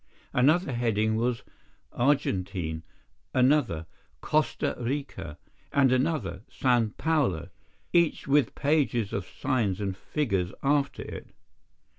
Another heading was "Argentine," another "Costa Rica," and another "San Paulo," each with pages of signs and figures after it.